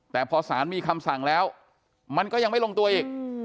แต่พอสารมีคำสั่งแล้วมันก็ยังไม่ลงตัวอีก